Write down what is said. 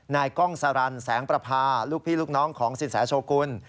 กล้องสรรแสงประพาลูกพี่ลูกน้องของสินแสโชกุล